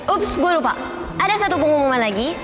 ups gue lupa ada satu pengumuman lagi